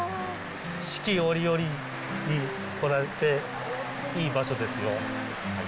四季折々に来られて、いい場所ですよ。